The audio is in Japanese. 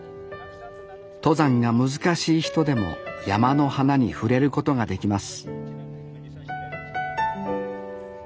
登山が難しい人でも山の花に触れることができます